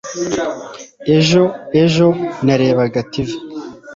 ejo ejo narebaga tv